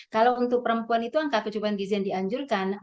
kalau untuk perempuan itu angka kecukupan gizi yang dianjurkan